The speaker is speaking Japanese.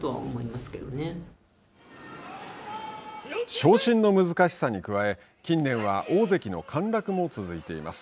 昇進の難しさに加え近年は大関の陥落も続いています。